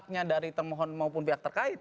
pihaknya dari termohon maupun pihak terkait